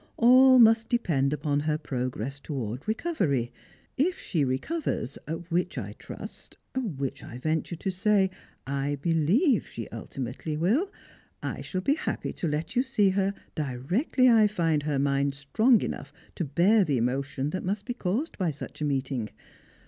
All must depend upon her progress towards recovery. If she recovers, which I trust, which I may venture to say I believe, she ulti mately will, I shall be happy to let you see her directly I find her mind strong enough to bear the emotion that must be caused by such a meeting.